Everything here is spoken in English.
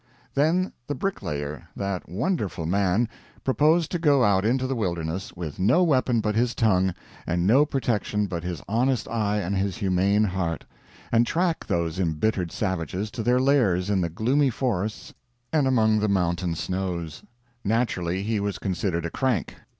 Then the Bricklayer that wonderful man proposed to go out into the wilderness, with no weapon but his tongue, and no protection but his honest eye and his humane heart; and track those embittered savages to their lairs in the gloomy forests and among the mountain snows. Naturally, he was considered a crank.